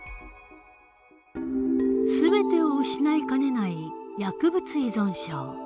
全てを失いかねない薬物依存症。